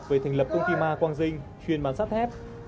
về thành lập công ty ma quang dinh chuyên bán sắp thép